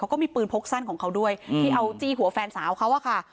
เขาก็มีปืนพกสั้นของเขาด้วยที่เอาจี้หัวแฟนสาวเขาอะค่ะ